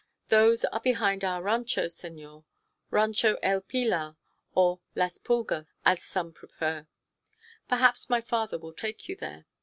"Those are behind our rancho, senor Rancho El Pilar, or Las Pulgas, as some prefer. Perhaps my father will take you there.